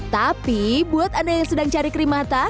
tapi buat anda yang sedang cari krim mata